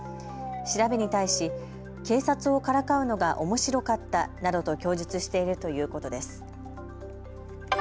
調べに対し警察をからかうのがおもしろかったなどと供述しているということです。